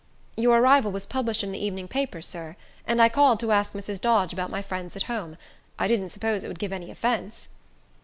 "Your arrival was published in the evening papers, sir; and I called to ask Mrs. Dodge about my friends at home. I didn't suppose it would give any offence."